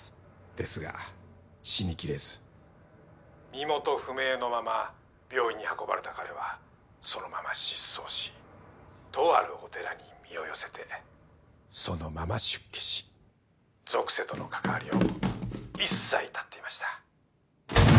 ですが死にきれず身元不明のまま病院に運ばれた彼はそのまま失踪しとあるお寺に身を寄せてそのまま出家し俗世との関わりを一切絶っていました。